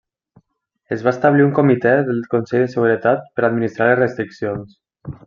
Es va establir un comitè del Consell de Seguretat per administrar les restriccions.